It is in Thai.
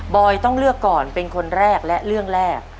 อยต้องเลือกก่อนเป็นคนแรกและเรื่องแรก